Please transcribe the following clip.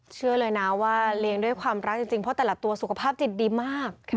เชื่อเลยนะว่าเลี้ยงด้วยความรักจริงเพราะแต่ละตัวสุขภาพจิตดีมาก